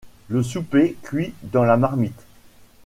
Le souper cuit dans la marmite.